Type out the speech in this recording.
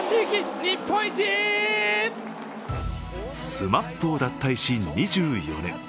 ＳＭＡＰを脱退し２４年。